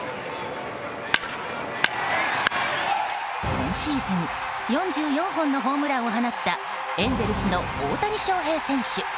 今シーズン４４本のホームランを放ったエンゼルスの大谷翔平選手。